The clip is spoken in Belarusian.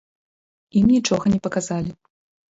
Ім нічога не паказалі.